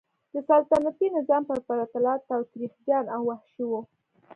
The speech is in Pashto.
د سلطنتي نظام په پرتله تاوتریخجن او وحشي و.